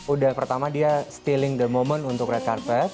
udah pertama dia stealing the moment untuk red carpet